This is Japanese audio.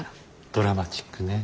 ドラマチックね。